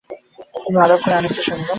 তুমি আলাপ করো আনিসের সাথে, কেমন?